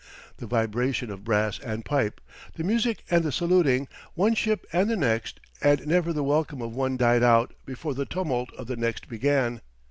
The vibration of brass and pipe, the music and the saluting, one ship and the next, and never the welcome of one died out before the tumult of the next began.